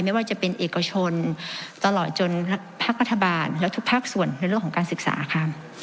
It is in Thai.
ไม่ว่าจะเป็นเอกชนตลอดจนภาครัฐบาลและทุกภาคส่วนในเรื่องของการศึกษาค่ะ